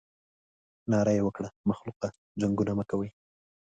ناره یې وکړه مخلوقه جنګونه مه کوئ.